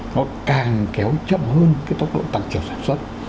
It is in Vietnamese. nó càng kéo chậm hơn cái tốc độ tăng trưởng sản xuất